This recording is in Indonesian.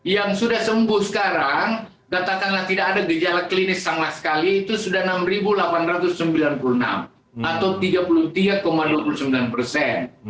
yang sudah sembuh sekarang katakanlah tidak ada gejala klinis sama sekali itu sudah enam delapan ratus sembilan puluh enam atau tiga puluh tiga dua puluh sembilan persen